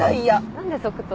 何で即答？